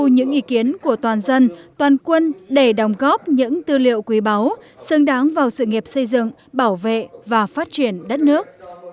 những ý kiến của toàn dân toàn quân để đồng góp những tư liệu quý báu xứng đáng vào sự nghiệp xây dựng bảo vệ và phát triển đất nước